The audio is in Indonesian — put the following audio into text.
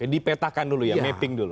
dipetakan dulu ya mapping dulu